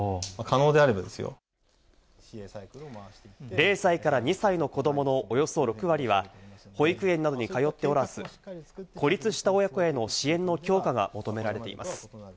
０歳から２歳の子供のおよそ６割は保育園などに通っておらず、孤立した親子への支援の強化が求められています。